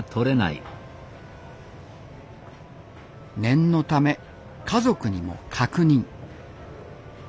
念のため家族にも確認。